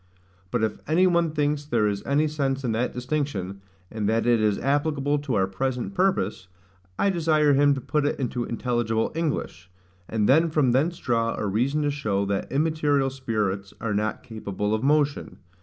But if any one thinks there is any sense in that distinction, and that it is applicable to our present purpose, I desire him to put it into intelligible English; and then from thence draw a reason to show that immaterial spirits are not capable of motion.